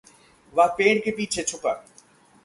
वह पेड़ के पीछे छुपा।